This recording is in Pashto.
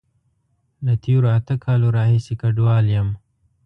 له تیرو اته کالونو راهیسی کډوال یم